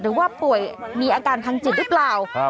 หรือว่าป่วยมีอาการทางจิตหรือเปล่า